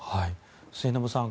末延さん